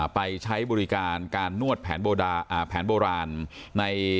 ไปใช้บริการการนวดแผนโบราณใน